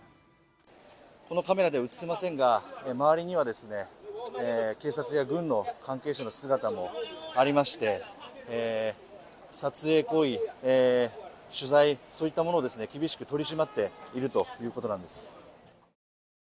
このカメラでは映せませんが、周りには警察や軍の関係者の姿もありまして撮影行為、取材、そういったものを厳しく取り締まっているということなんです。